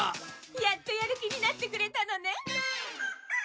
やっとやる気になってくれたのね。